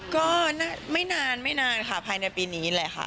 ก็ไม่นานไม่นานค่ะภายในปีนี้แหละค่ะ